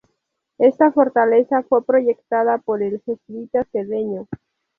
Esta fortaleza fue proyectada por el jesuita Sedeño.